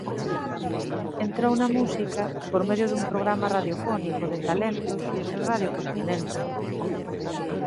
Entrou na música por medio dun programa radiofónico de talentos en Radio Continente.